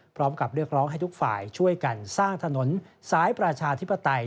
พร้อมกับเรียกร้องให้ทุกฝ่ายช่วยกันสร้างถนนสายประชาธิปไตย